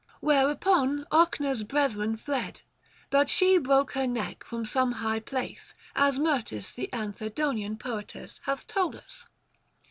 Whereupon Ochna s brethren tied, but she broke her neck from some high place, as Myrtis the Anthedonian poetess hath told us.